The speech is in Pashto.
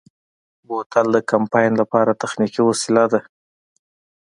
بوتل د کمپاین لپاره تخنیکي وسیله ده.